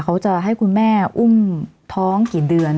เขาจะให้คุณแม่อุ้มท้องกี่เดือน